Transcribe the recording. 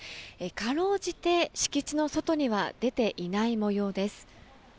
かろうじて、敷地の外には出ていないもようです。